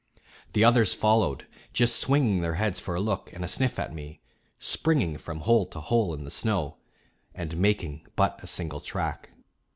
The others followed, just swinging their heads for a look and a sniff at me, springing from hole to hole in the snow, and making but a single track.